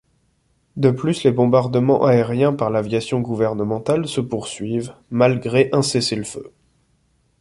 De plus, les bombardements aériens par l'aviation gouvernementale se poursuivent, malgré un cessez-le-feu.